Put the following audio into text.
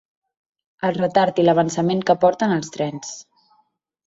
El retard i l’avançament que porten els trens.